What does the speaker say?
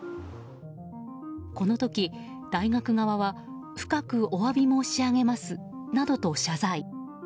この時、大学側は深くお詫び申し上げますなどと謝罪。